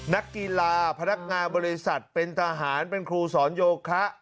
นักกีฬาพนักงานบริษัทเป็นทหารเป็นครูสอนโยคะ